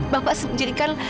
bapak sendiri kan